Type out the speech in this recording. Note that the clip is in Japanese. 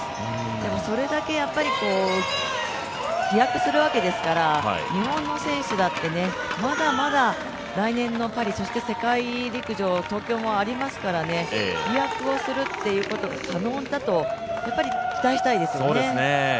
でもそれだけ飛躍するわけですから日本の選手だってまだまだ来年のパリ、そして世界陸上東京もありますからね、飛躍をするということは可能だと、やっぱり期待したいですね。